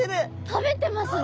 食べてますね。